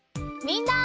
みんな！